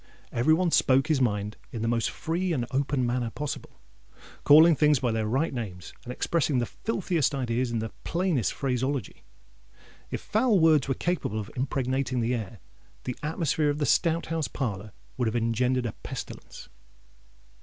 Every one spoke his mind in the most free and open manner possible,—calling things by their right names—and expressing the filthiest ideas in the plainest phraseology. If foul words were capable of impregnating the air, the atmosphere of the Stout House parlour would have engendered a pestilence.